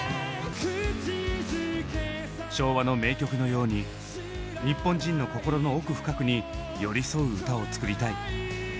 昭和の名曲のように日本人の心の奥深くに寄り添う歌を作りたい。